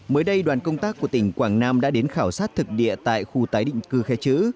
mới đây đoàn công tác của tỉnh quảng nam đã đến khảo sát thực địa tại khu tái định cư khe chữ